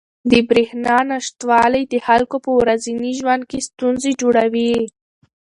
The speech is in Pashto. د بریښنا نشتوالی د خلکو په ورځني ژوند کې ستونزې جوړوي.